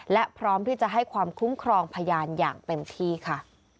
และพร้อมที่จะให้ความคุ้มครองพยานอย่างเต็มที่ค่ะ